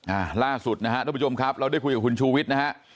อ่าล่าสุดนะฮะทุกผู้ชมครับเราได้คุยกับคุณชูวิทย์นะฮะ